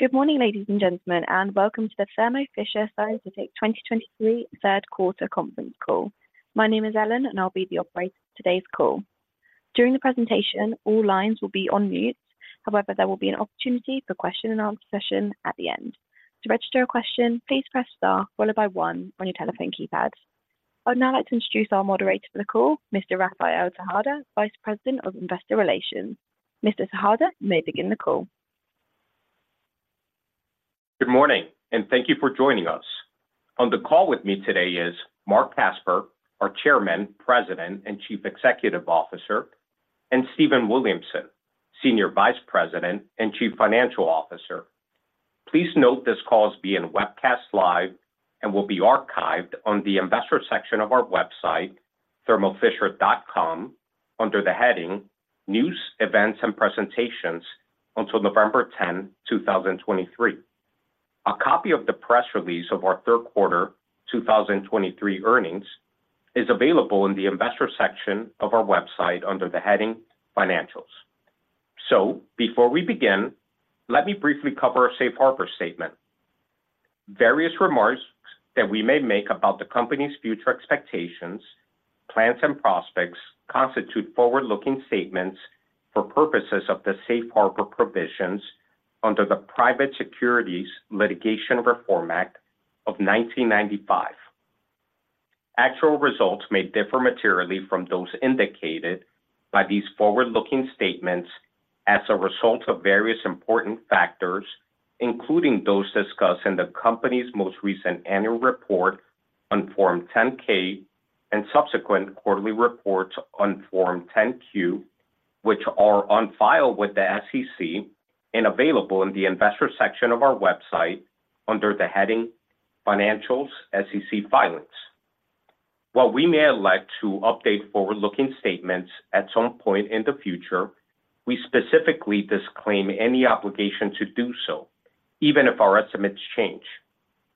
Good morning, ladies and gentlemen, and welcome to the Thermo Fisher Scientific 2023 Q3 Conference Call. My name is Ellen, and I'll be the operator for today's call. During the presentation, all lines will be on mute. However, there will be an opportunity for question and answer session at the end. To register a question, please press Star followed by one on your telephone keypad. I'd now like to introduce our moderator for the call, Mr. Rafael Tejada, Vice President of Investor Relations. Mr. Tejada, you may begin the call. Good morning, and thank you for joining us. On the call with me today is Marc Casper, our Chairman, President, and Chief Executive Officer, and Stephen Williamson, Senior Vice President and Chief Financial Officer. Please note this call is being webcast live and will be archived on the investor section of our website, thermofisher.com, under the heading News, Events, and Presentations until November 10, 2023. A copy of the press release of our third quarter 2023 earnings is available in the Investor section of our website under the heading Financials. Before we begin, let me briefly cover a Safe Harbor statement. Various remarks that we may make about the company's future expectations, plans, and prospects constitute forward-looking statements for purposes of the Safe Harbor provisions under the Private Securities Litigation Reform Act of 1995. Actual results may differ materially from those indicated by these forward-looking statements as a result of various important factors, including those discussed in the company's most recent annual report on Form 10-K and subsequent quarterly reports on Form 10-Q, which are on file with the SEC and available in the Investor section of our website under the heading Financials, SEC Filings. While we may elect to update forward-looking statements at some point in the future, we specifically disclaim any obligation to do so, even if our estimates change.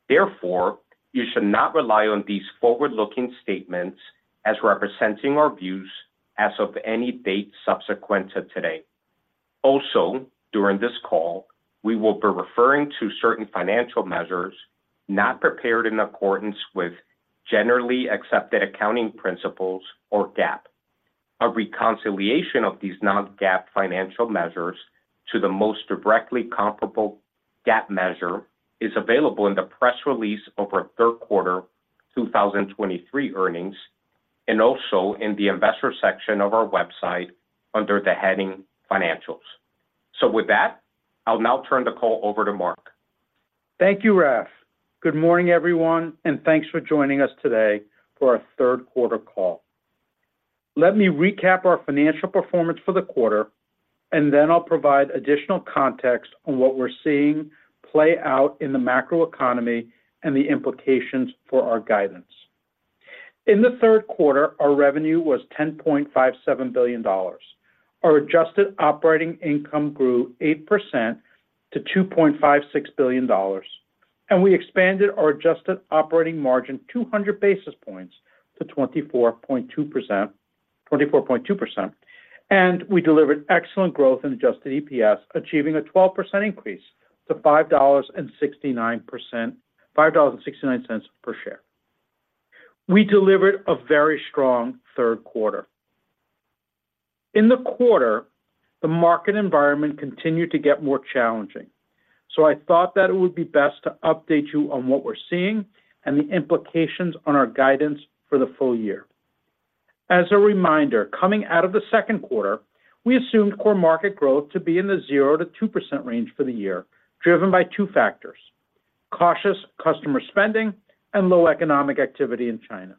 Therefore, you should not rely on these forward-looking statements as representing our views as of any date subsequent to today. Also, during this call, we will be referring to certain financial measures not prepared in accordance with generally accepted accounting principles or GAAP. A reconciliation of these non-GAAP financial measures to the most directly comparable GAAP measure is available in the press release of our third quarter 2023 earnings, and also in the Investor section of our website under the heading Financials. So with that, I'll now turn the call over to Marc. Thank you, Raf. Good morning, everyone, and thanks for joining us today for our third quarter call. Let me recap our financial performance for the quarter, and then I'll provide additional context on what we're seeing play out in the macroeconomy and the implications for our guidance. In the third quarter, our revenue was $10.57 billion. Our adjusted operating income grew 8% to $2.56 billion, and we expanded our adjusted operating margin 200 basis points to 24.2%, 24.2%. We delivered excellent growth in adjusted EPS, achieving a 12% increase to $5.69 per share. We delivered a very strong third quarter. In the quarter, the market environment continued to get more challenging, so I thought that it would be best to update you on what we're seeing and the implications on our guidance for the full year. As a reminder, coming out of the second quarter, we assumed core market growth to be in the 0%-2% range for the year, driven by two factors: cautious customer spending and low economic activity in China.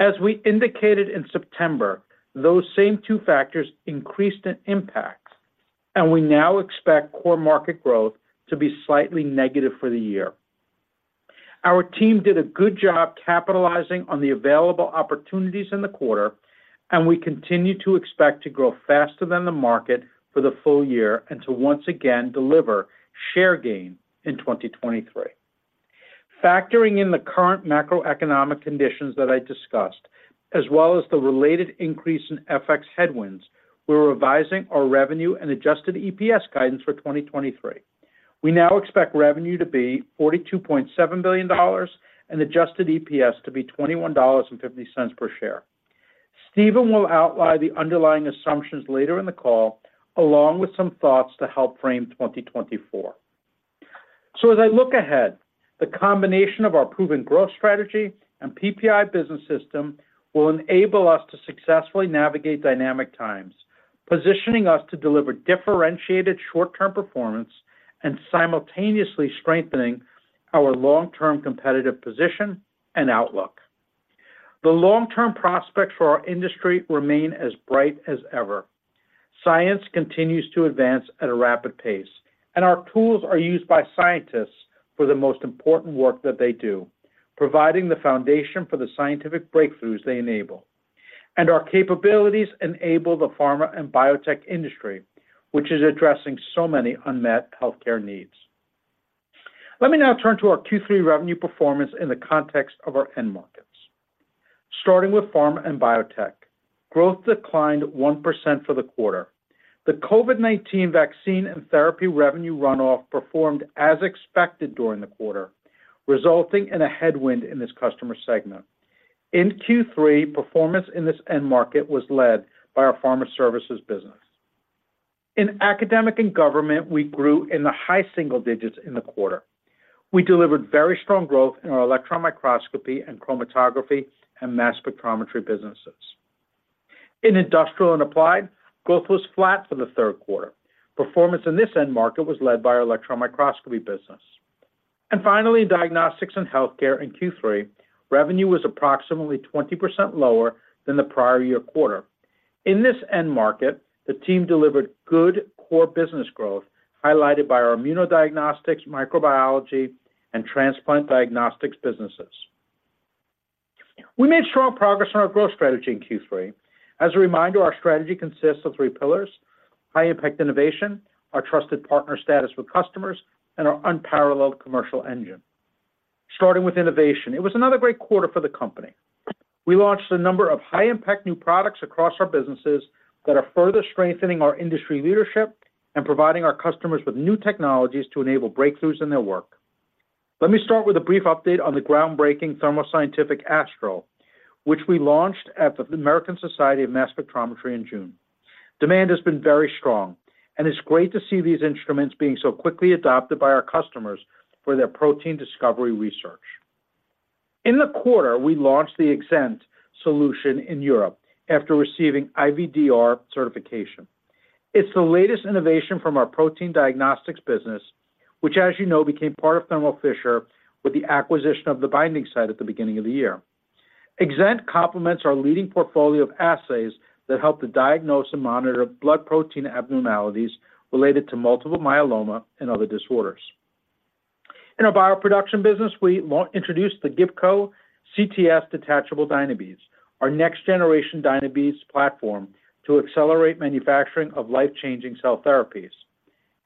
As we indicated in September, those same two factors increased in impact, and we now expect core market growth to be slightly negative for the year. Our team did a good job capitalizing on the available opportunities in the quarter, and we continue to expect to grow faster than the market for the full year and to once again deliver share gain in 2023. Factoring in the current macroeconomic conditions that I discussed, as well as the related increase in FX headwinds, we're revising our revenue and adjusted EPS guidance for 2023. We now expect revenue to be $42.7 billion and adjusted EPS to be $21.50 per share. Stephen will outline the underlying assumptions later in the call, along with some thoughts to help frame 2024. So as I look ahead, the combination of our proven growth strategy and PPI Business System will enable us to successfully navigate dynamic times, positioning us to deliver differentiated short-term performance and simultaneously strengthening our long-term competitive position and outlook. The long-term prospects for our industry remain as bright as ever. Science continues to advance at a rapid pace, and our tools are used by scientists for the most important work that they do, providing the foundation for the scientific breakthroughs they enable. Our capabilities enable the pharma and biotech industry, which is addressing so many unmet healthcare needs. Let me now turn to our Q3 revenue performance in the context of our end markets. Starting with pharma and biotech. Growth declined 1% for the quarter. The COVID-19 vaccine and therapy revenue runoff performed as expected during the quarter, resulting in a headwind in this customer segment. In Q3, performance in this end market was led by our Pharma Services business. In academic and government, we grew in the high single digits in the quarter. We delivered very strong growth in our Electron Microscopy and Chromatography and Mass Spectrometry businesses. In industrial and applied, growth was flat for the third quarter. Performance in this end market was led by our Electron Microscopy business. And finally, in diagnostics and healthcare in Q3, revenue was approximately 20% lower than the prior year quarter. In this end market, the team delivered good core business growth, highlighted by our Immunodiagnostics, Microbiology, and Transplant Diagnostics businesses. We made strong progress on our growth strategy in Q3. As a reminder, our strategy consists of three pillars: high-impact innovation, our trusted partner status with customers, and our unparalleled commercial engine. Starting with innovation, it was another great quarter for the company. We launched a number of high-impact new products across our businesses that are further strengthening our industry leadership and providing our customers with new technologies to enable breakthroughs in their work. Let me start with a brief update on the groundbreaking Thermo Scientific Orbitrap Astral, which we launched at the American Society for Mass Spectrometry in June. Demand has been very strong, and it's great to see these instruments being so quickly adopted by our customers for their protein discovery research. In the quarter, we launched the Exent Solution in Europe after receiving IVDR certification. It's the latest innovation from our protein diagnostics business, which, as you know, became part of Thermo Fisher with the acquisition of The Binding Site at the beginning of the year. Exent complements our leading portfolio of assays that help to diagnose and monitor blood protein abnormalities related to multiple myeloma and other disorders. In our Bioproduction business, we introduced the Gibco CTS Detachable Dynabeads, our next generation Dynabeads platform to accelerate manufacturing of life-changing cell therapies.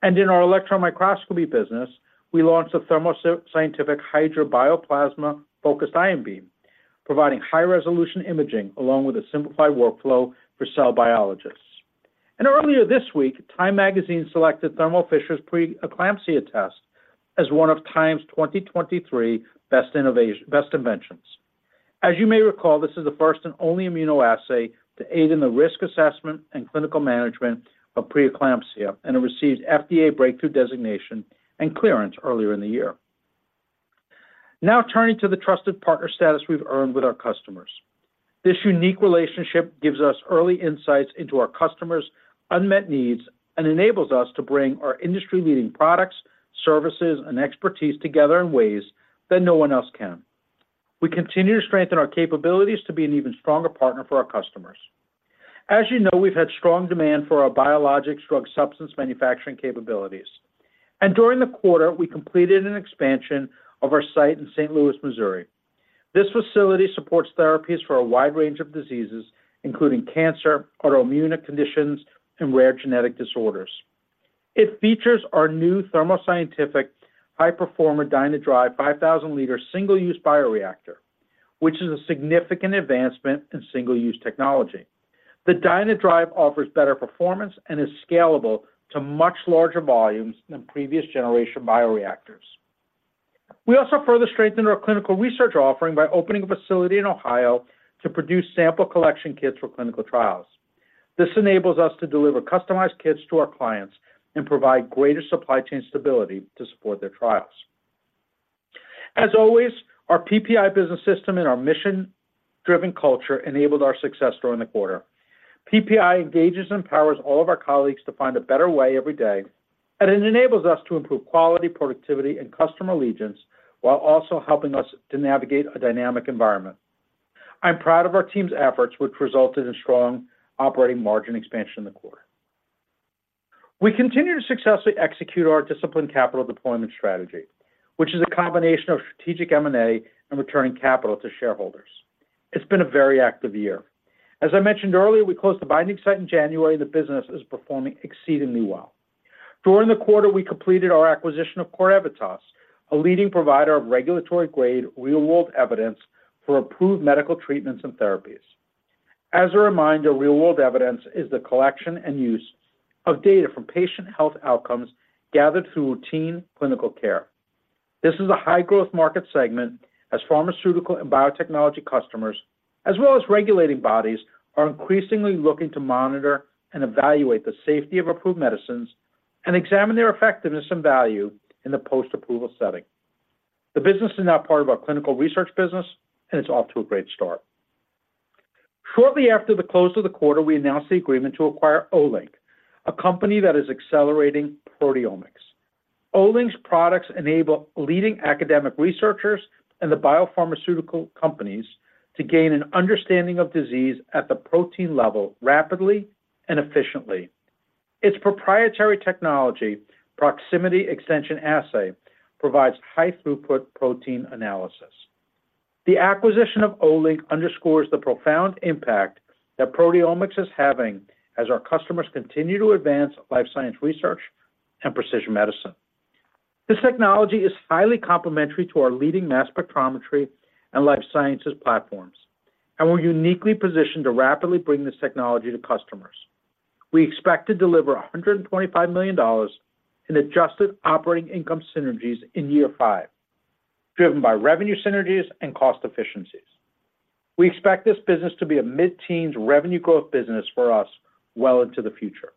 In our Electron Microscopy business, we launched the Thermo Scientific Hydra Bio Plasma Focused Ion Beam, providing high-resolution imaging along with a simplified workflow for cell biologists. Earlier this week, Time Magazine selected Thermo Fisher's preeclampsia test as one of Time's 2023 Best Inventions. As you may recall, this is the first and only immunoassay to aid in the risk assessment and clinical management of preeclampsia, and it received FDA breakthrough designation and clearance earlier in the year. Now, turning to the trusted partner status we've earned with our customers. This unique relationship gives us early insights into our customers' unmet needs and enables us to bring our industry-leading products, services, and expertise together in ways that no one else can. We continue to strengthen our capabilities to be an even stronger partner for our customers. As you know, we've had strong demand for our biologics drug substance manufacturing capabilities, and during the quarter, we completed an expansion of our site in St. Louis, Missouri. This facility supports therapies for a wide range of diseases, including cancer, autoimmune conditions, and rare genetic disorders. It features our new Thermo Scientific HyPerforma DynaDrive 5,000-liter single-use bioreactor, which is a significant advancement in single-use technology. The DynaDrive offers better performance and is scalable to much larger volumes than previous generation bioreactors. We also further strengthened our clinical research offering by opening a facility in Ohio to produce sample collection kits for clinical trials. This enables us to deliver customized kits to our clients and provide greater supply chain stability to support their trials. As always, our PPI Business System and our mission-driven culture enabled our success during the quarter. PPI engages and empowers all of our colleagues to find a better way every day, and it enables us to improve quality, productivity, and customer allegiance while also helping us to navigate a dynamic environment. I'm proud of our team's efforts, which resulted in strong operating margin expansion in the quarter. We continue to successfully execute our disciplined capital deployment strategy, which is a combination of strategic M&A and returning capital to shareholders. It's been a very active year. As I mentioned earlier, we closed The Binding Site in January. The business is performing exceedingly well. During the quarter, we completed our acquisition of CorEvitas, a leading provider of regulatory-grade, real-world evidence for approved medical treatments and therapies. As a reminder, real-world evidence is the collection and use of data from patient health outcomes gathered through routine clinical care. This is a high-growth market segment as pharmaceutical and biotechnology customers, as well as regulatory bodies, are increasingly looking to monitor and evaluate the safety of approved medicines and examine their effectiveness and value in the post-approval setting. The business is now part of our clinical research business, and it's off to a great start. Shortly after the close of the quarter, we announced the agreement to acquire Olink, a company that is accelerating proteomics. Olink's products enable leading academic researchers and the biopharmaceutical companies to gain an understanding of disease at the protein level rapidly and efficiently. Its proprietary technology, Proximity Extension Assay, provides high-throughput protein analysis. The acquisition of Olink underscores the profound impact that proteomics is having as our customers continue to advance life science research and precision medicine.... This technology is highly complementary to our leading mass spectrometry and life sciences platforms, and we're uniquely positioned to rapidly bring this technology to customers. We expect to deliver $125 million in Adjusted Operating Income synergies in year five, driven by revenue synergies and cost efficiencies. We expect this business to be a mid-teens revenue growth business for us well into the future.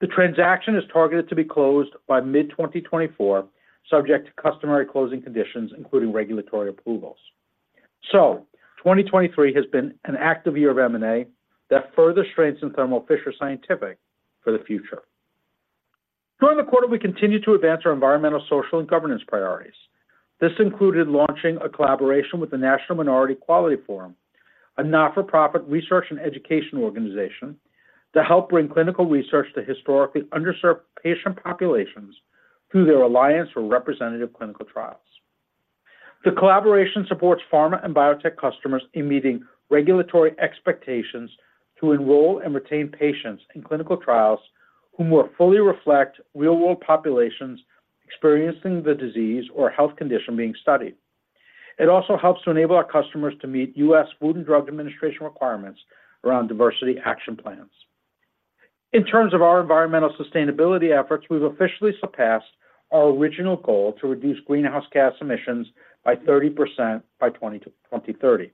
The transaction is targeted to be closed by mid-2024, subject to customary closing conditions, including regulatory approvals. So 2023 has been an active year of M&A that further strengthens Thermo Fisher Scientific for the future. During the quarter, we continued to advance our environmental, social, and governance priorities. This included launching a collaboration with the National Minority Quality Forum, a not-for-profit research and education organization, to help bring clinical research to historically underserved patient populations through their Alliance for Representative Clinical Trials. The collaboration supports pharma and biotech customers in meeting regulatory expectations to enroll and retain patients in clinical trials whom will fully reflect real-world populations experiencing the disease or health condition being studied. It also helps to enable our customers to meet U.S. Food and Drug Administration requirements around diversity action plans. In terms of our environmental sustainability efforts, we've officially surpassed our original goal to reduce greenhouse gas emissions by 30% by 2020 to 2030.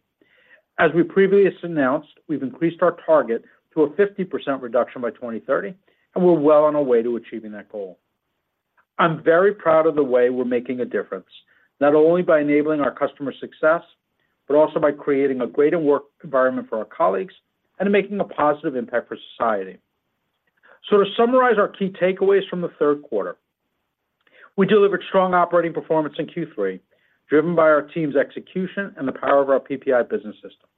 As we previously announced, we've increased our target to a 50% reduction by 2030, and we're well on our way to achieving that goal. I'm very proud of the way we're making a difference, not only by enabling our customer success, but also by creating a greater work environment for our colleagues and making a positive impact for society. To summarize our key takeaways from the third quarter, we delivered strong operating performance in Q3, driven by our team's execution and the power of our PPI Business System.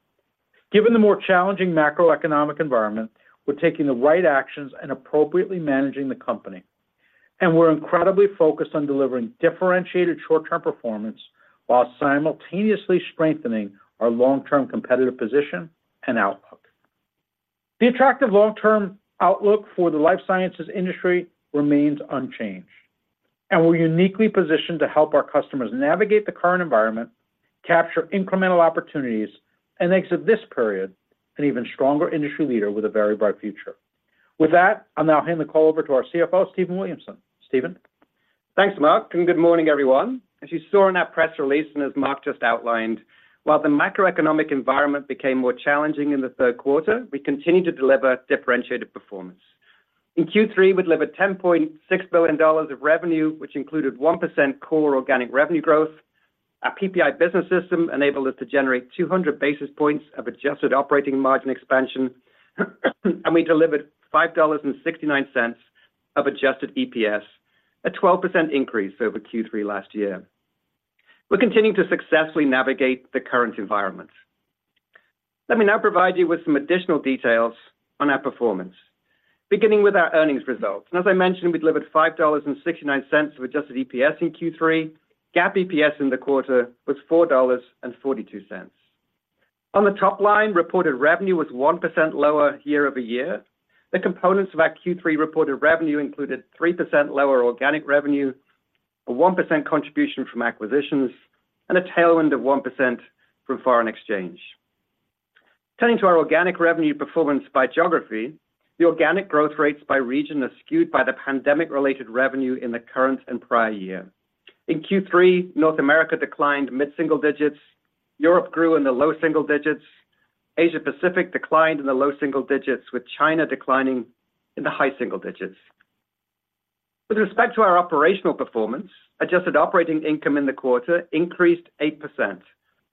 Given the more challenging macroeconomic environment, we're taking the right actions and appropriately managing the company, and we're incredibly focused on delivering differentiated short-term performance while simultaneously strengthening our long-term competitive position and outlook. The attractive long-term outlook for the life sciences industry remains unchanged, and we're uniquely positioned to help our customers navigate the current environment, capture incremental opportunities, and exit this period an even stronger industry leader with a very bright future. With that, I'll now hand the call over to our CFO, Stephen Williamson. Stephen? Thanks, Marc, and good morning, everyone. As you saw in our press release and as Marc just outlined, while the macroeconomic environment became more challenging in the third quarter, we continued to deliver differentiated performance. In Q3, we delivered $10.6 billion of revenue, which included 1% core organic revenue growth. Our PPI Business System enabled us to generate 200 basis points of adjusted operating margin expansion, and we delivered $5.69 of adjusted EPS, a 12% increase over Q3 last year. We're continuing to successfully navigate the current environment. Let me now provide you with some additional details on our performance, beginning with our earnings results. As I mentioned, we delivered $5.69 of adjusted EPS in Q3. GAAP EPS in the quarter was $4.42. On the top line, reported revenue was 1% lower year-over-year. The components of our Q3 reported revenue included 3% lower organic revenue, a 1% contribution from acquisitions, and a tailwind of 1% from foreign exchange. Turning to our organic revenue performance by geography, the organic growth rates by region are skewed by the pandemic-related revenue in the current and prior year. In Q3, North America declined mid-single digits, Europe grew in the low single digits, Asia Pacific declined in the low single digits, with China declining in the high single digits. With respect to our operational performance, adjusted operating income in the quarter increased 8%,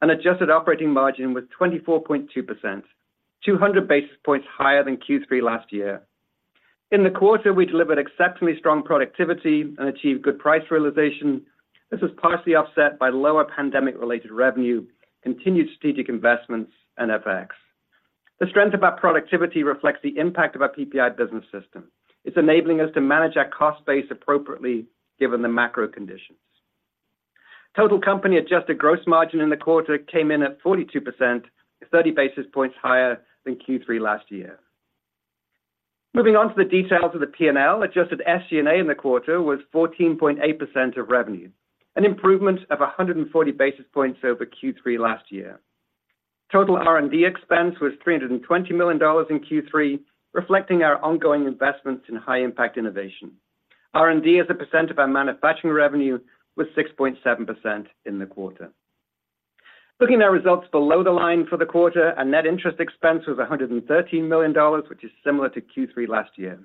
and adjusted operating margin was 24.2%, 200 basis points higher than Q3 last year. In the quarter, we delivered exceptionally strong productivity and achieved good price realization. This was partially offset by lower pandemic-related revenue, continued strategic investments, and FX. The strength of our productivity reflects the impact of our PPI Business System. It's enabling us to manage our cost base appropriately given the macro conditions. Total company adjusted gross margin in the quarter came in at 42%, 30 basis points higher than Q3 last year. Moving on to the details of the P&L, adjusted SG&A in the quarter was 14.8% of revenue, an improvement of 140 basis points over Q3 last year. Total R&D expense was $320 million in Q3, reflecting our ongoing investments in high impact innovation. R&D, as a percent of our manufacturing revenue, was 6.7% in the quarter. Looking at our results below the line for the quarter, our net interest expense was $113 million, which is similar to Q3 last year.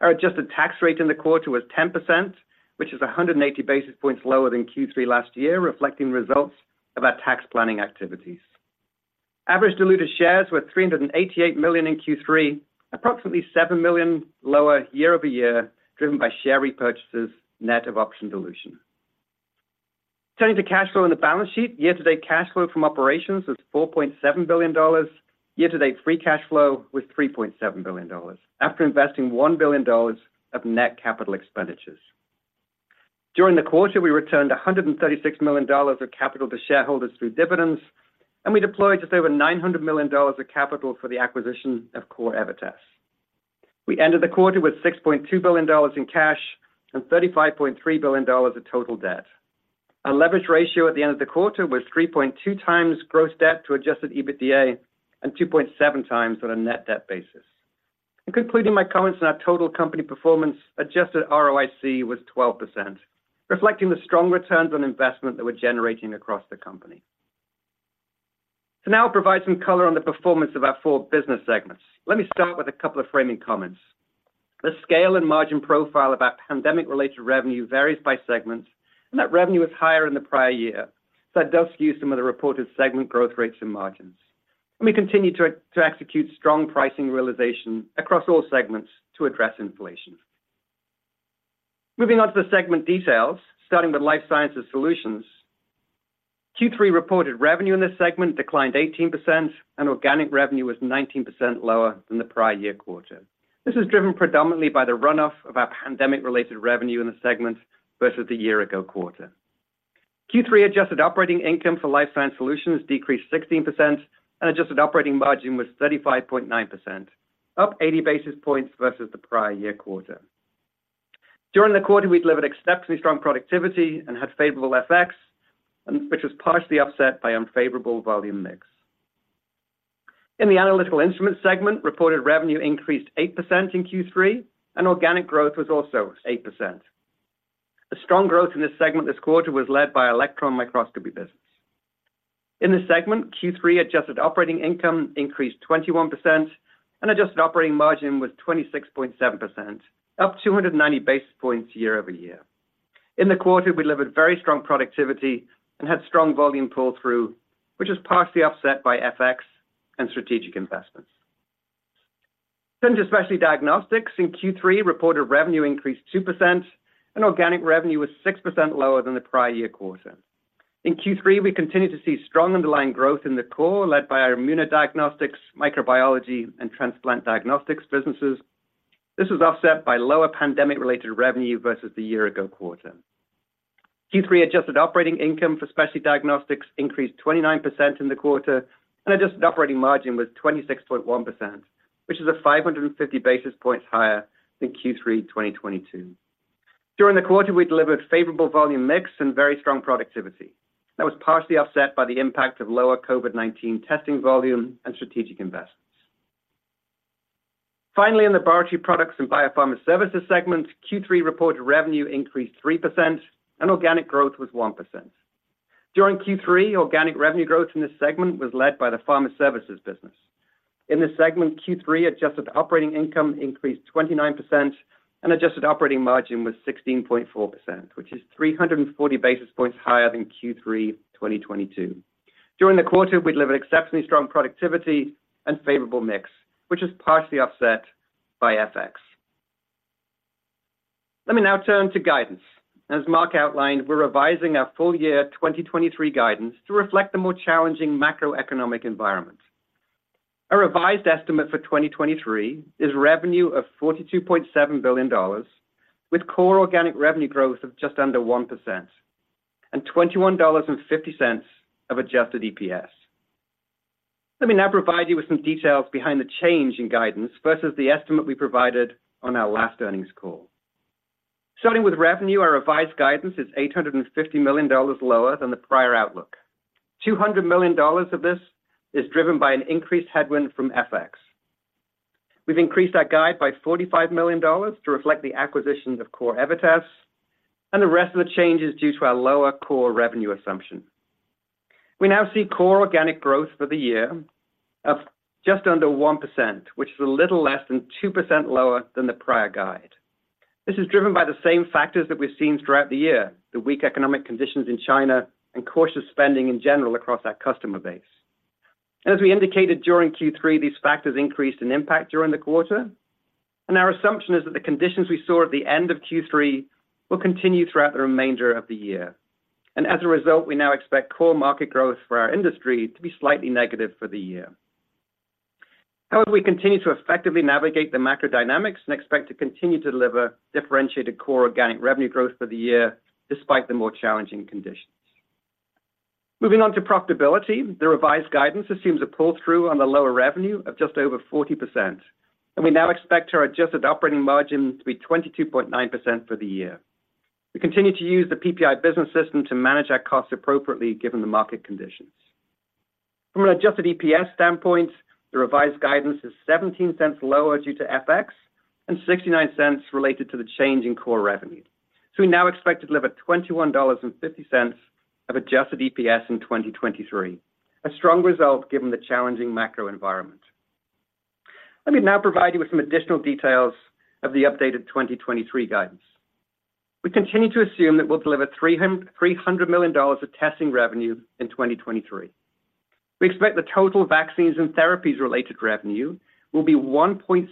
Our adjusted tax rate in the quarter was 10%, which is 180 basis points lower than Q3 last year, reflecting results of our tax planning activities. Average diluted shares were 388 million in Q3, approximately 7 million lower year-over-year, driven by share repurchases, net of option dilution. Turning to cash flow in the balance sheet, year-to-date cash flow from operations was $4.7 billion. Year-to-date free cash flow was $3.7 billion, after investing $1 billion of net capital expenditures. During the quarter, we returned $136 million of capital to shareholders through dividends-... We deployed just over $900 million of capital for the acquisition of CorEvitas. We ended the quarter with $6.2 billion in cash and $35.3 billion of total debt. Our leverage ratio at the end of the quarter was 3.2 times gross debt to Adjusted EBITDA, and 2.7 times on a net debt basis. In concluding my comments on our total company performance, Adjusted ROIC was 12%, reflecting the strong returns on investment that we're generating across the company. So now I'll provide some color on the performance of our four business segments. Let me start with a couple of framing comments. The scale and margin profile of our pandemic-related revenue varies by segment, and that revenue is higher in the prior year, so that does skew some of the reported segment growth rates and margins. We continue to execute strong pricing realization across all segments to address inflation. Moving on to the segment details, starting with Life Sciences Solutions. Q3 reported revenue in this segment declined 18%, and organic revenue was 19% lower than the prior year quarter. This is driven predominantly by the run-off of our pandemic-related revenue in the segment versus the year ago quarter. Q3 adjusted operating income for Life Sciences Solutions decreased 16%, and adjusted operating margin was 35.9%, up 80 basis points versus the prior year quarter. During the quarter, we delivered exceptionally strong productivity and had favorable FX, which was partially offset by unfavorable volume mix. In the Analytical Instruments segment, reported revenue increased 8% in Q3, and organic growth was also 8%. A strong growth in this segment this quarter was led by Electron Microscopy business. In this segment, Q3 adjusted operating income increased 21%, and adjusted operating margin was 26.7%, up 290 basis points year-over-year. In the quarter, we delivered very strong productivity and had strong volume pull-through, which was partially offset by FX and strategic investments. Turning to Specialty Diagnostics, in Q3, reported revenue increased 2%, and organic revenue was 6% lower than the prior year quarter. In Q3, we continued to see strong underlying growth in the core, led by our Immunodiagnostics, Microbiology, and Transplant Diagnostics businesses. This was offset by lower pandemic-related revenue versus the year-ago quarter. Q3 adjusted operating income for Specialty Diagnostics increased 29% in the quarter, and adjusted operating margin was 26.1%, which is 550 basis points higher than Q3 2022. During the quarter, we delivered favorable volume mix and very strong productivity. That was partially offset by the impact of lower COVID-19 testing volume and strategic investments. Finally, in the Laboratory Products and Pharma Services segment, Q3 reported revenue increased 3%, and organic growth was 1%. During Q3, organic revenue growth in this segment was led by the Pharma Services business. In this segment, Q3 adjusted operating income increased 29%, and adjusted operating margin was 16.4%, which is 340 basis points higher than Q3 2022. During the quarter, we delivered exceptionally strong productivity and favorable mix, which is partially offset by FX. Let me now turn to guidance. As Marc outlined, we're revising our full year 2023 guidance to reflect the more challenging macroeconomic environment. Our revised estimate for 2023 is revenue of $42.7 billion, with Core Organic Revenue Growth of just under 1% and $21.50 of Adjusted EPS. Let me now provide you with some details behind the change in guidance versus the estimate we provided on our last earnings call. Starting with revenue, our revised guidance is $850 million lower than the prior outlook. $200 million of this is driven by an increased headwind from FX. We've increased our guide by $45 million to reflect the acquisitions of CorEvitas, and the rest of the change is due to our lower core revenue assumption. We now see Core Organic Growth for the year of just under 1%, which is a little less than 2% lower than the prior guide. This is driven by the same factors that we've seen throughout the year, the weak economic conditions in China and cautious spending in general across our customer base. As we indicated during Q3, these factors increased in impact during the quarter, and our assumption is that the conditions we saw at the end of Q3 will continue throughout the remainder of the year. As a result, we now expect core market growth for our industry to be slightly negative for the year. However, we continue to effectively navigate the macro dynamics and expect to continue to deliver differentiated core organic revenue growth for the year, despite the more challenging conditions. Moving on to profitability, the revised guidance assumes a pull-through on the lower revenue of just over 40%, and we now expect our adjusted operating margin to be 22.9% for the year. We continue to use the PPI Business System to manage our costs appropriately given the market conditions. From an Adjusted EPS standpoint, the revised guidance is $0.17 lower due to FX and $0.69 related to the change in core revenue. So we now expect to deliver $21.50 of Adjusted EPS in 2023, a strong result given the challenging macro environment. Let me now provide you with some additional details of the updated 2023 guidance. We continue to assume that we'll deliver $300 million of testing revenue in 2023. We expect the total vaccines and therapies-related revenue will be $1.6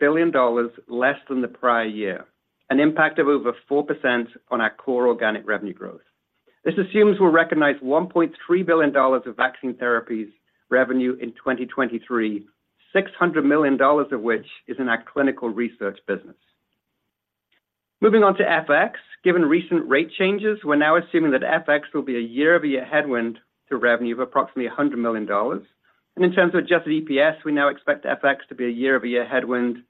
billion less than the prior year, an impact of over 4% on our core organic revenue growth. This assumes we'll recognize $1.3 billion of vaccine therapies revenue in 2023, $600 million of which is in our clinical research business. Moving on to FX. Given recent rate changes, we're now assuming that FX will be a year-over-year headwind to revenue of approximately $100 million. And in terms of adjusted EPS, we now expect FX to be a year-over-year headwind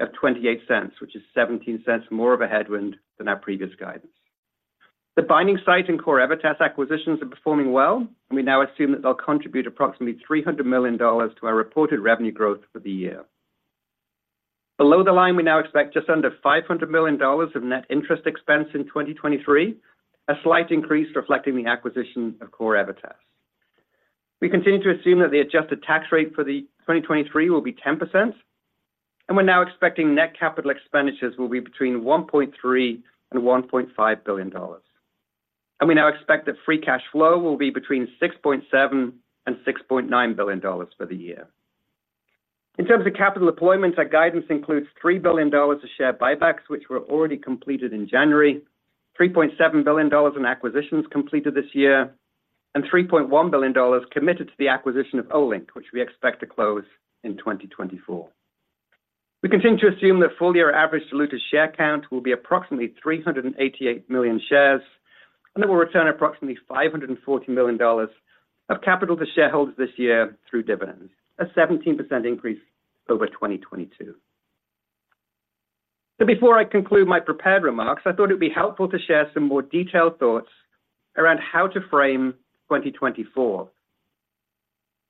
of $0.28, which is $0.17 more of a headwind than our previous guidance. The Binding Site and CorEvitas acquisitions are performing well, and we now assume that they'll contribute approximately $300 million to our reported revenue growth for the year. Below the line, we now expect just under $500 million of net interest expense in 2023, a slight increase reflecting the acquisition of CorEvitas. We continue to assume that the Adjusted tax rate for 2023 will be 10%, and we're now expecting net capital expenditures will be between $1.3 billion and $1.5 billion. We now expect that free cash flow will be between $6.7 billion and $6.9 billion for the year. In terms of capital deployment, our guidance includes $3 billion of share buybacks, which were already completed in January, $3.7 billion in acquisitions completed this year, and $3.1 billion committed to the acquisition of Olink, which we expect to close in 2024. We continue to assume that full-year average diluted share count will be approximately 388 million shares, and that we'll return approximately $540 million of capital to shareholders this year through dividends, a 17% increase over 2022. So before I conclude my prepared remarks, I thought it'd be helpful to share some more detailed thoughts around how to frame 2024.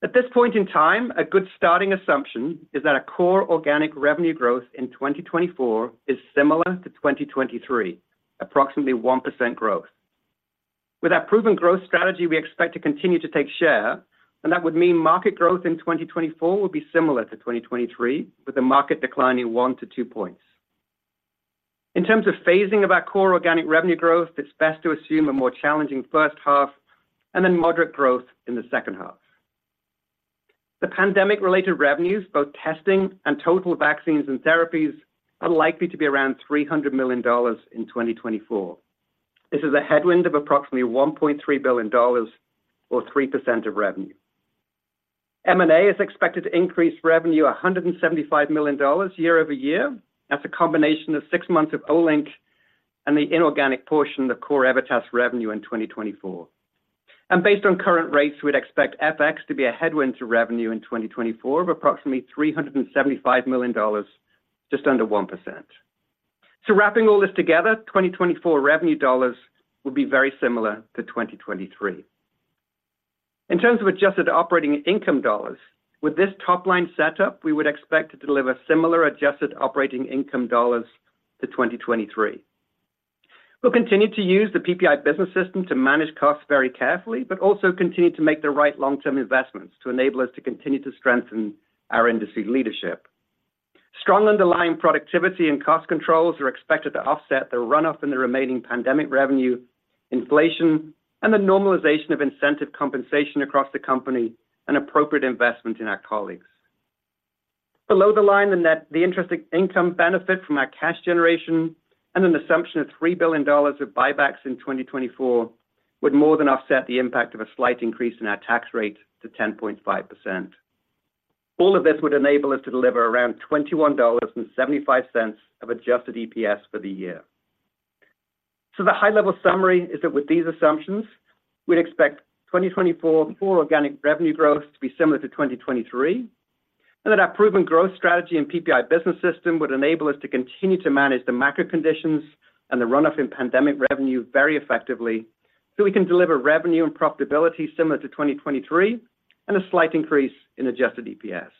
At this point in time, a good starting assumption is that our core organic revenue growth in 2024 is similar to 2023, approximately 1% growth. With our proven growth strategy, we expect to continue to take share, and that would mean market growth in 2024 will be similar to 2023, with the market declining 1-2 points. In terms of phasing of our core organic revenue growth, it's best to assume a more challenging first half and then moderate growth in the second half. The pandemic-related revenues, both testing and total vaccines and therapies, are likely to be around $300 million in 2024. This is a headwind of approximately $1.3 billion or 3% of revenue. M&A is expected to increase revenue $175 million year-over-year. That's a combination of 6 months of Olink and the inorganic portion of CorEvitas revenue in 2024. And based on current rates, we'd expect FX to be a headwind to revenue in 2024 of approximately $375 million, just under 1%. So wrapping all this together, 2024 revenue dollars will be very similar to 2023. In terms of adjusted operating income dollars, with this top-line setup, we would expect to deliver similar adjusted operating income dollars to 2023. We'll continue to use the PPI Business System to manage costs very carefully, but also continue to make the right long-term investments to enable us to continue to strengthen our industry leadership. Strong underlying productivity and cost controls are expected to offset the run-up in the remaining pandemic revenue, inflation, and the normalization of incentive compensation across the company, and appropriate investment in our colleagues. Below the line, the net interest income benefit from our cash generation and an assumption of $3 billion of buybacks in 2024 would more than offset the impact of a slight increase in our tax rate to 10.5%. All of this would enable us to deliver around $21.75 of Adjusted EPS for the year. So the high-level summary is that with these assumptions, we'd expect 2024 Core Organic Revenue Growth to be similar to 2023, and that our proven growth strategy and PPI Business System would enable us to continue to manage the macro conditions and the run-up in pandemic revenue very effectively, so we can deliver revenue and profitability similar to 2023 and a slight increase in Adjusted EPS.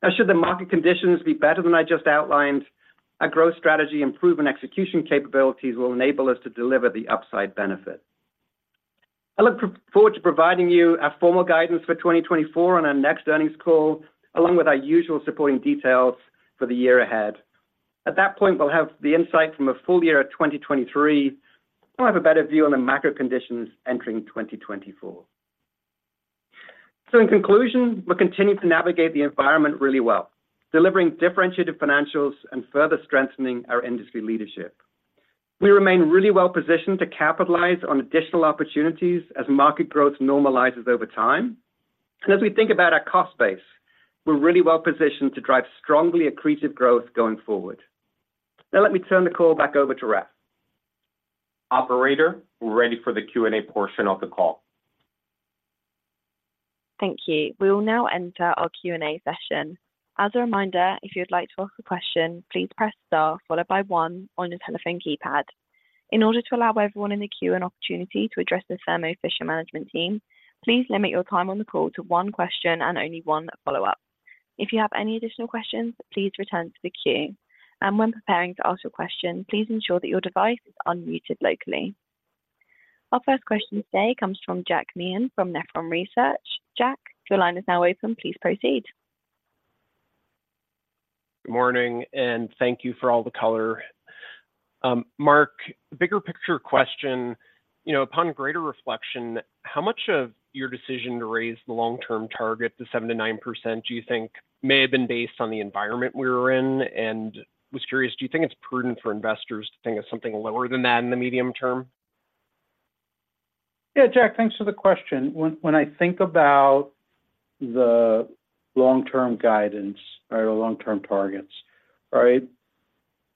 Now, should the market conditions be better than I just outlined, our growth strategy and proven execution capabilities will enable us to deliver the upside benefit. I look forward to providing you our formal guidance for 2024 on our next earnings call, along with our usual supporting details for the year ahead. At that point, we'll have the insight from a full year of 2023. We'll have a better view on the macro conditions entering 2024. So in conclusion, we're continuing to navigate the environment really well, delivering differentiated financials and further strengthening our industry leadership. We remain really well positioned to capitalize on additional opportunities as market growth normalizes over time. And as we think about our cost base, we're really well positioned to drive strongly accretive growth going forward. Now, let me turn the call back over to Raf. Operator, we're ready for the Q&A portion of the call. Thank you. We will now enter our Q&A session. As a reminder, if you'd like to ask a question, please press star followed by one on your telephone keypad. In order to allow everyone in the queue an opportunity to address the Thermo Fisher management team, please limit your time on the call to one question and only one follow-up. If you have any additional questions, please return to the queue. When preparing to ask your question, please ensure that your device is unmuted locally. Our first question today comes from Jack Meehan from Nephron Research. Jack, your line is now open. Please proceed. Good morning, and thank you for all the color. Marc, bigger picture question. You know, upon greater reflection, how much of your decision to raise the long-term target to 7%-9% do you think may have been based on the environment we're in? I was curious, do you think it's prudent for investors to think of something lower than that in the medium term? Yeah, Jack, thanks for the question. When I think about the long-term guidance or the long-term targets, right?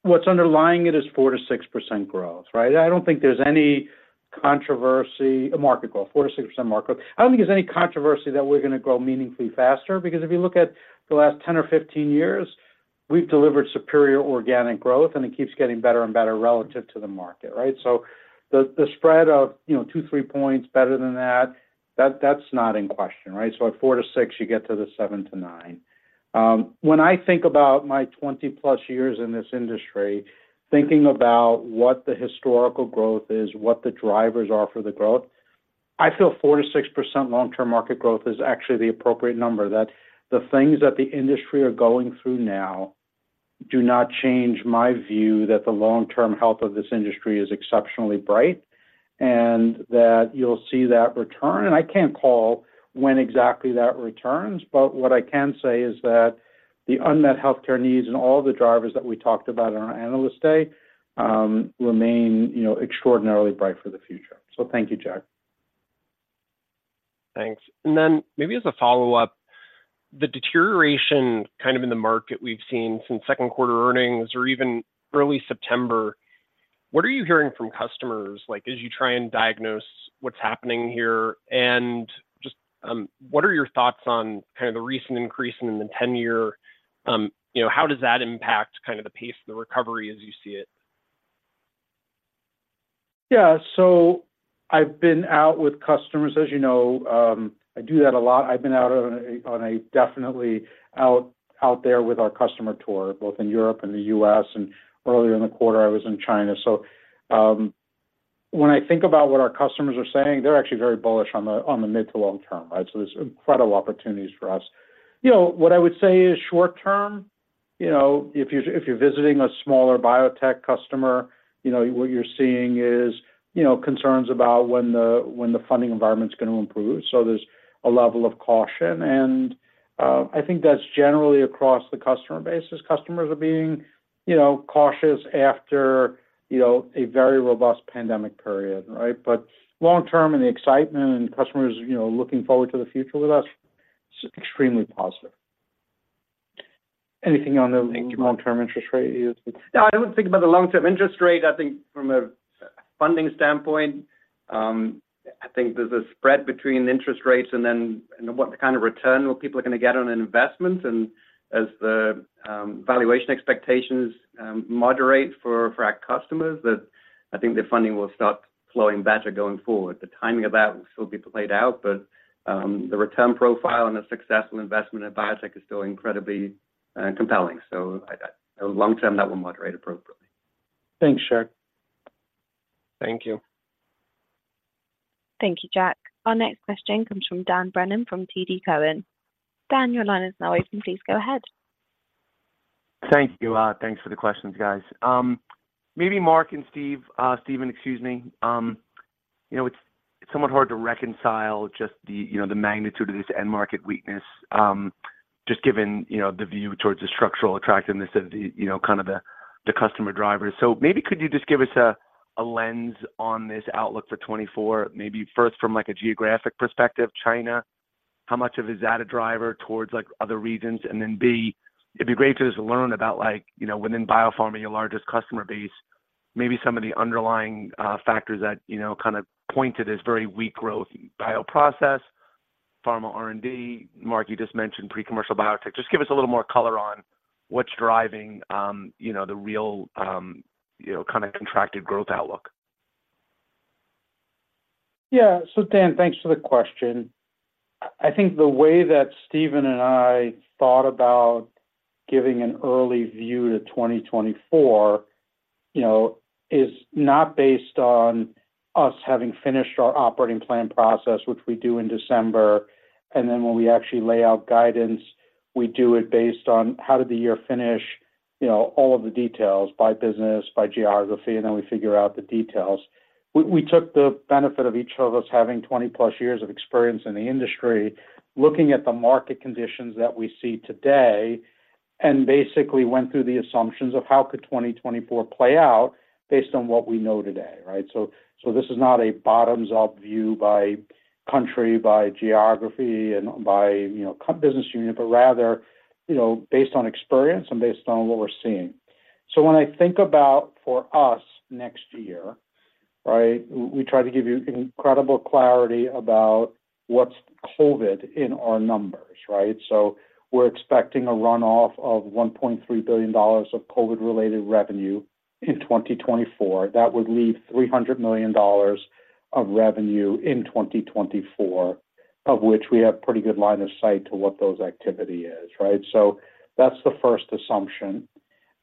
What's underlying it is 4%-6% growth, right? I don't think there's any controversy, a market growth, 4%-6% market. I don't think there's any controversy that we're gonna grow meaningfully faster, because if you look at the last 10 or 15 years, we've delivered superior organic growth, and it keeps getting better and better relative to the market, right? So the spread of, you know, 2-3 points better than that, that's not in question, right? So at 4-6, you get to the 7-9. When I think about my 20+ years in this industry, thinking about what the historical growth is, what the drivers are for the growth, I feel 4%-6% long-term market growth is actually the appropriate number. That the things that the industry are going through now do not change my view that the long-term health of this industry is exceptionally bright, and that you'll see that return. I can't call when exactly that returns, but what I can say is that the unmet healthcare needs and all the drivers that we talked about on our Analyst Day remain, you know, extraordinarily bright for the future. So thank you, Jack. Thanks. And then maybe as a follow-up, the deterioration kind of in the market we've seen since second quarter earnings or even early September, what are you hearing from customers? Like, as you try and diagnose what's happening here, and just, what are your thoughts on kind of the recent increase in the ten-year, You know, how does that impact kind of the pace of the recovery as you see it? Yeah. So I've been out with customers. As you know, I do that a lot. I've been out definitely out there with our customer tour, both in Europe and the U.S., and earlier in the quarter, I was in China. So, when I think about what our customers are saying, they're actually very bullish on the mid- to long-term, right? So there's incredible opportunities for us. You know, what I would say is short-term, you know, if you're visiting a smaller biotech customer, you know, what you're seeing is, you know, concerns about when the funding environment is going to improve. So there's a level of caution, and I think that's generally across the customer base, as customers are being, you know, cautious after, you know, a very robust pandemic period, right? But long-term and the excitement and customers, you know, looking forward to the future with us is extremely positive. Anything on the long-term interest rate? No, I don't think about the long-term interest rate. I think from a funding standpoint, I think there's a spread between interest rates and then and what kind of return people are gonna get on an investment. And as the valuation expectations moderate for our customers, that I think the funding will start flowing better going forward. The timing of that will still be played out, but the return profile and the successful investment in biotech is still incredibly compelling. So, long term, that will moderate appropriately. Thanks, Marc. Thank you. Thank you, Jack. Our next question comes from Dan Brennan, from TD Cowen. Dan, your line is now open. Please go ahead. Thank you. Thanks for the questions, guys. Maybe Marc and Steve, Steven, excuse me. You know, it's somewhat hard to reconcile just the, you know, the magnitude of this end market weakness, just given, you know, the view towards the structural attractiveness of the, you know, kind of the, the customer drivers. So maybe could you just give us a lens on this outlook for 2024, maybe first from, like, a geographic perspective, China, how much of is that a driver towards, like, other regions? And then B, it'd be great to just learn about, like, you know, within biopharma, your largest customer base, maybe some of the underlying factors that, you know, kind of point to this very weak growth bioprocess, pharma R&D. Marc, you just mentioned pre-commercial biotech. Just give us a little more color on what's driving, you know, the real, you know, kind of contracted growth outlook? Yeah. So Dan, thanks for the question. I think the way that Stephen and I thought about giving an early view to 2024, you know, is not based on us having finished our operating plan process, which we do in December, and then when we actually lay out guidance, we do it based on how did the year finish, you know, all of the details by business, by geography, and then we figure out the details. We took the benefit of each of us having 20+ years of experience in the industry, looking at the market conditions that we see today, and basically went through the assumptions of how could 2024 play out based on what we know today, right? So, so this is not a bottoms-up view by country, by geography, and by, you know, core business unit, but rather, you know, based on experience and based on what we're seeing. So when I think about for us next year, right, we try to give you incredible clarity about what's COVID in our numbers, right? So we're expecting a runoff of $1.3 billion of COVID-related revenue in 2024. That would leave $300 million of revenue in 2024, of which we have pretty good line of sight to what those activity is, right? So that's the first assumption.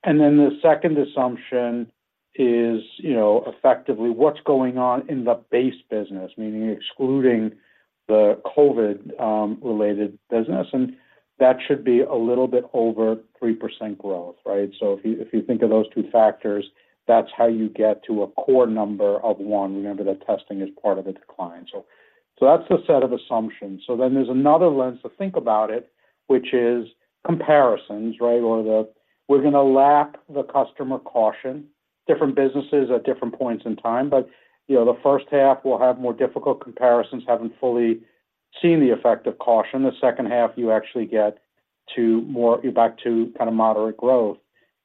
And then the second assumption is, you know, effectively what's going on in the base business, meaning excluding the COVID related business, and that should be a little bit over 3% growth, right? So if you, if you think of those two factors, that's how you get to a core number of one. Remember that testing is part of the decline, so. So that's the set of assumptions. So then there's another lens to think about it, which is comparisons, right? Or the, we're gonna lap the customer caution, different businesses at different points in time. But, you know, the first half will have more difficult comparisons, having fully seen the effect of caution. The second half, you actually get to more, back to kind of moderate growth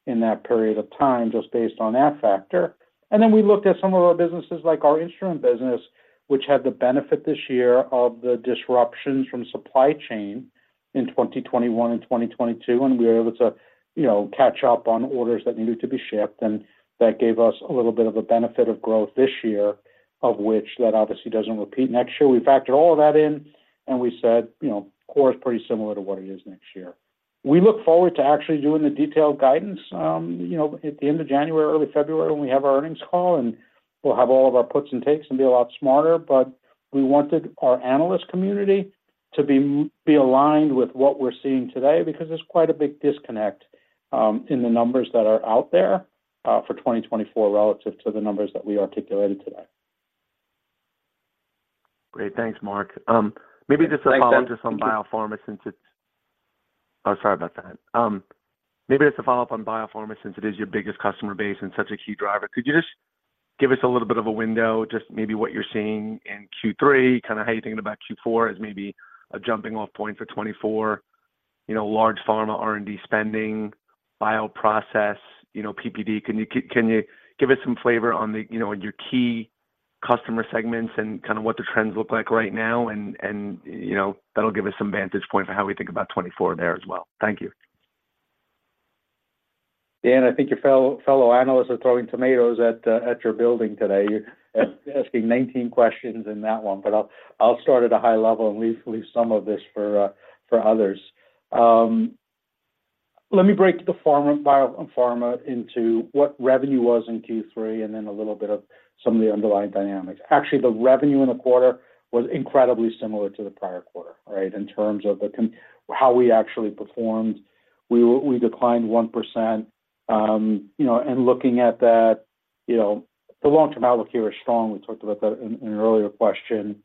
in that period of time, just based on that factor. And then we looked at some of our businesses, like our instrument business, which had the benefit this year of the disruptions from supply chain in 2021 and 2022. We were able to, you know, catch up on orders that needed to be shipped, and that gave us a little bit of a benefit of growth this year, of which that obviously doesn't repeat next year. We factored all of that in, and we said, you know, core is pretty similar to what it is next year. We look forward to actually doing the detailed guidance, you know, at the end of January or early February, when we have our earnings call, and we'll have all of our puts and takes and be a lot smarter. But we wanted our analyst community to be aligned with what we're seeing today, because there's quite a big disconnect in the numbers that are out there for 2024 relative to the numbers that we articulated today. Great. Thanks, Marc. Maybe just a follow-up- Thanks, Dan. Maybe just a follow-up on biopharma, since it is your biggest customer base and such a key driver. Could you just give us a little bit of a window, just maybe what you're seeing in Q3, kind of how you're thinking about Q4 as maybe a jumping off point for 2024, you know, large pharma, R&D spending, bioprocess, you know, PPD. Can you, can you give us some flavor on the, you know, your key customer segments and kind of what the trends look like right now? And, you know, that'll give us some vantage point for how we think about 2024 there as well. Thank you. Dan, I think your fellow analysts are throwing tomatoes at your building today. You're asking 19 questions in that one, but I'll start at a high level, and we'll leave some of this for others. Let me break the pharma, bio and pharma into what revenue was in Q3, and then a little bit of some of the underlying dynamics. Actually, the revenue in the quarter was incredibly similar to the prior quarter, right? In terms of how we actually performed. We declined 1%. You know, and looking at that, you know, the long-term outlook here is strong. We talked about that in an earlier question.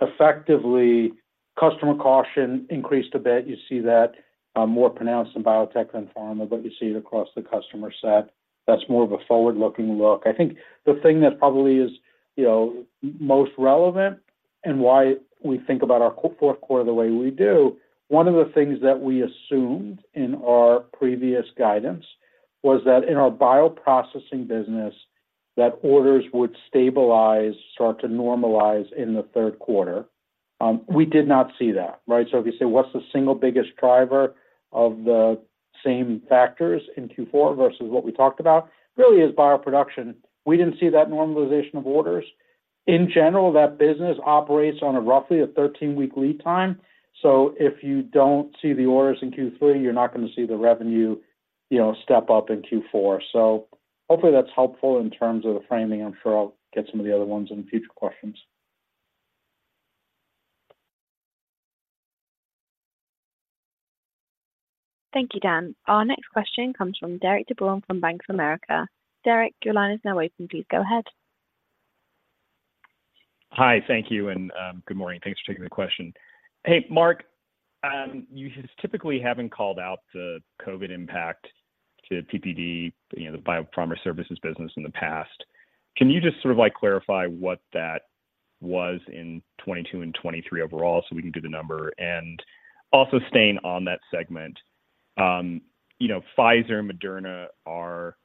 Effectively, customer caution increased a bit. You see that more pronounced in biotech than pharma, but you see it across the customer set. That's more of a forward-looking look. I think the thing that probably is, you know, most relevant and why we think about our Q4, fourth quarter the way we do. One of the things that we assumed in our previous guidance was that in our bioprocessing business, that orders would stabilize, start to normalize in the third quarter. We did not see that, right? So if you say, what's the single biggest driver of the same factors in Q4 versus what we talked about, really is Bioproduction. We didn't see that normalization of orders. In general, that business operates on a roughly 13-week lead time. So if you don't see the orders in Q3, you're not gonna see the revenue, you know, step up in Q4. So hopefully that's helpful in terms of the framing. I'm sure I'll get some of the other ones in the future questions. Thank you, Dan. Our next question comes from Derik de Bruin from Bank of America. Derek, your line is now open. Please go ahead. Hi, thank you, and good morning. Thanks for taking the question. Hey, Marc, you just typically haven't called out the COVID impact to PPD, you know, the biopharma services business in the past. Can you just sort of, like, clarify what that was in 2022 and 2023 overall, so we can do the number? And also staying on that segment, you know, Pfizer and Moderna are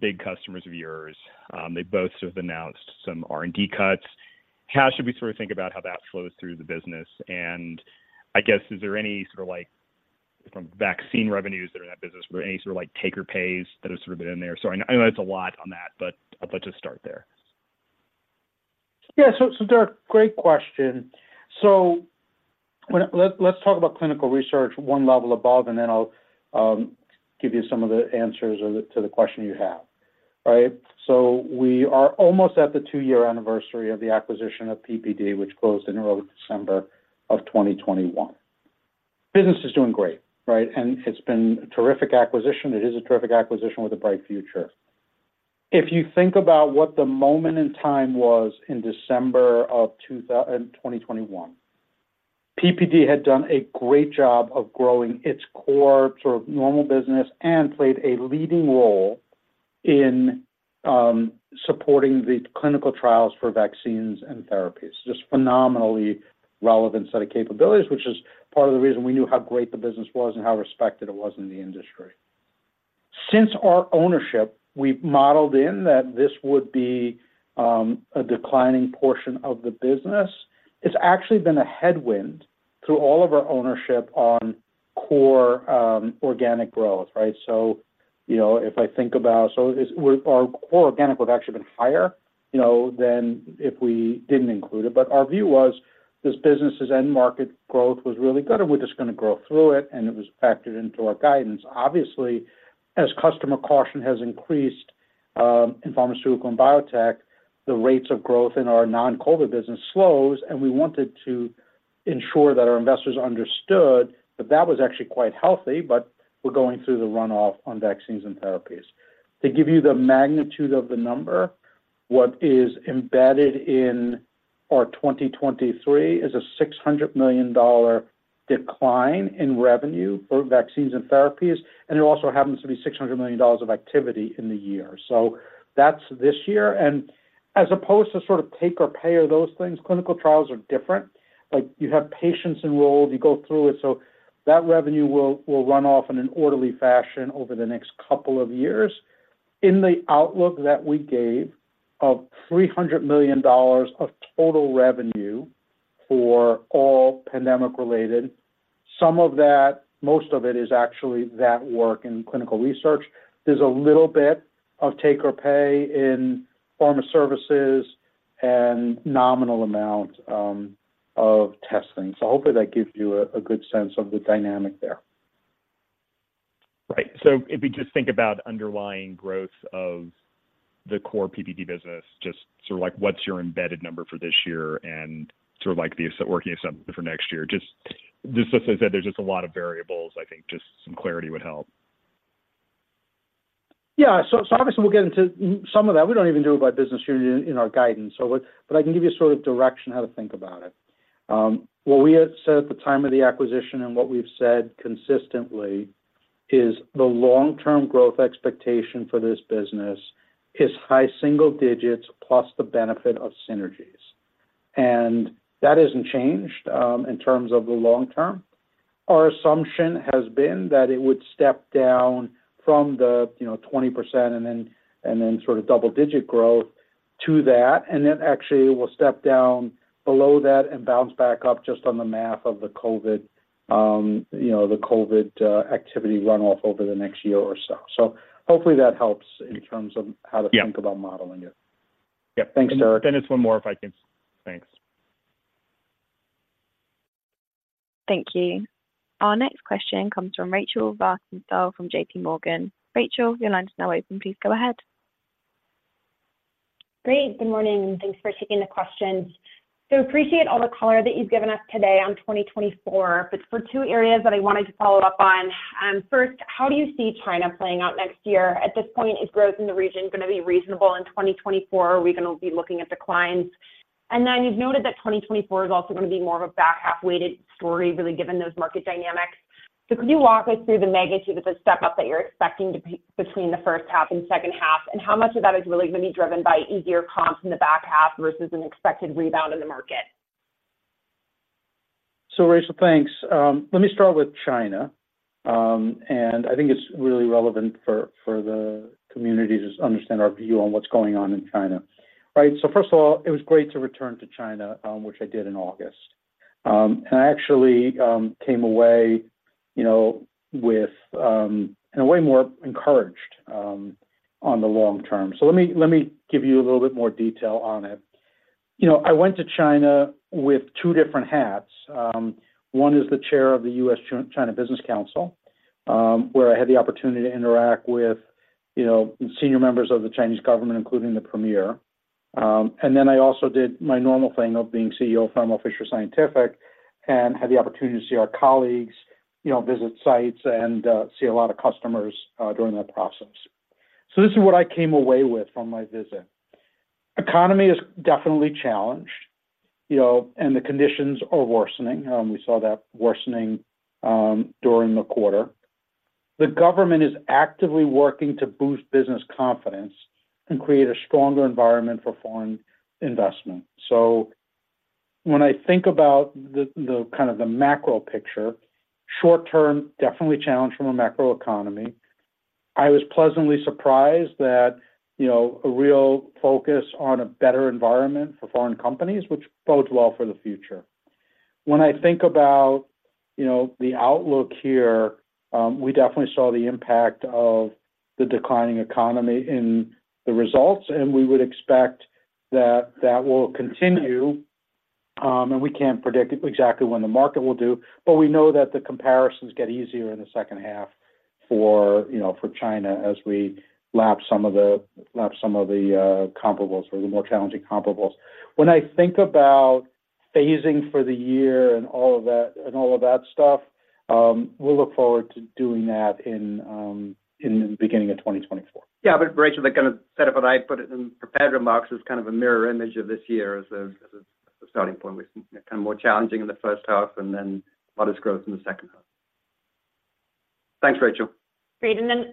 big customers of yours. They both have announced some R&D cuts. How should we sort of think about how that flows through the business? And I guess, is there any sort of, like, from vaccine revenues that are in that business, were there any sort of, like, taker pays that have sort of been in there? So I know it's a lot on that, but just start there. Yeah. So, Derik, great question. So let's talk about clinical research one level above, and then I'll give you some of the answers to the question you have. Right? So we are almost at the two-year anniversary of the acquisition of PPD, which closed in early December of 2021. Business is doing great, right? And it's been a terrific acquisition. It is a terrific acquisition with a bright future. If you think about what the moment in time was in December of 2021, PPD had done a great job of growing its core sort of normal business and played a leading role in supporting the clinical trials for vaccines and therapies. Just phenomenally relevant set of capabilities, which is part of the reason we knew how great the business was and how respected it was in the industry. Since our ownership, we've modeled in that this would be a declining portion of the business. It's actually been a headwind through all of our ownership on core organic growth, right? So, you know, if I think about. So our core organic would have actually been higher, you know, than if we didn't include it. But our view was, this business's end market growth was really good, and we're just gonna grow through it, and it was factored into our guidance. Obviously, as customer caution has increased in pharmaceutical and biotech, the rates of growth in our non-COVID business slows, and we wanted to ensure that our investors understood that that was actually quite healthy, but we're going through the runoff on vaccines and therapies. To give you the magnitude of the number, what is embedded in our 2023 is a $600 million decline in revenue for vaccines and therapies, and it also happens to be $600 million of activity in the year. So that's this year, and as opposed to sort of take or pay or those things, clinical trials are different. Like, you have patients enrolled, you go through it, so that revenue will, will run off in an orderly fashion over the next couple of years. In the outlook that we gave of $300 million of total revenue for all pandemic-related, some of that, most of it is actually that work in clinical research. There's a little bit of take or pay in Pharma Services and nominal amount of testing. So hopefully that gives you a, a good sense of the dynamic there. Right. So if you just think about underlying growth of the core PPD business, just sort of like, what's your embedded number for this year and sort of like the working assumption for next year? Just, just as I said, there's just a lot of variables, I think just some clarity would help. Yeah. So, so obviously, we'll get into some of that. We don't even do it by business unit in our guidance. So but, but I can give you a sort of direction how to think about it. What we had said at the time of the acquisition and what we've said consistently is the long-term growth expectation for this business is high single digits plus the benefit of synergies. And that hasn't changed, in terms of the long term. Our assumption has been that it would step down from the, you know, 20% and then, and then sort of double-digit growth to that, and then actually it will step down below that and bounce back up just on the math of the COVID, you know, the COVID activity run off over the next year or so. So hopefully that helps in terms of- Yeah how to think about modeling it. Yeah. Thanks, sir. And then just one more, if I can. Thanks. Thank you. Our next question comes from Rachel Vatnsdal from JPMorgan. Rachel, your line is now open. Please go ahead. Great, good morning, and thanks for taking the questions. So appreciate all the color that you've given us today on 2024, but for two areas that I wanted to follow up on, first, how do you see China playing out next year? At this point, is growth in the region going to be reasonable in 2024, or are we going to be looking at declines? And then you've noted that 2024 is also going to be more of a back half-weighted story, really, given those market dynamics. So could you walk us through the magnitude of the step-up that you're expecting to be between the first half and second half, and how much of that is really going to be driven by easier comps in the back half versus an expected rebound in the market? Rachel, thanks. Let me start with China. I think it's really relevant for the community to just understand our view on what's going on in China, right? First of all, it was great to return to China, which I did in August. I actually came away, you know, with... in a way, more encouraged on the long term. Let me give you a little bit more detail on it. You know, I went to China with two different hats. One is the chair of the U.S.-China Business Council, where I had the opportunity to interact with, you know, senior members of the Chinese government, including the Premier. And then I also did my normal thing of being CEO of Thermo Fisher Scientific and had the opportunity to see our colleagues, you know, visit sites and see a lot of customers during that process. So this is what I came away with from my visit. Economy is definitely challenged, you know, and the conditions are worsening. We saw that worsening during the quarter. The government is actively working to boost business confidence and create a stronger environment for foreign investment. So when I think about the kind of the macro picture, short term, definitely challenged from a macro economy. I was pleasantly surprised that, you know, a real focus on a better environment for foreign companies, which bodes well for the future. When I think about, you know, the outlook here, we definitely saw the impact of the declining economy in the results, and we would expect that that will continue. And we can't predict exactly when the market will do, but we know that the comparisons get easier in the second half for, you know, for China as we lap some of the comparables or the more challenging comparables. When I think about phasing for the year and all of that, and all of that stuff, we'll look forward to doing that in the beginning of 2024. Yeah, but Rachel, the kind of set up, and I put it in prepared remarks is kind of a mirror image of this year as a starting point. We see kind of more challenging in the first half and then modest growth in the second half. Thanks, Rachel. Great. And then,